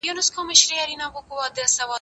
ما مخکي د سبا لپاره د ژبي تمرين کړی وو!